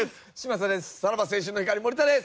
さらば青春の光森田です。